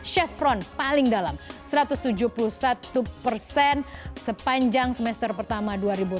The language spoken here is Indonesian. chevron paling dalam satu ratus tujuh puluh satu persen sepanjang semester pertama dua ribu enam belas